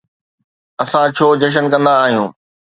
اسان ڇو جشن ڪندا آهيون؟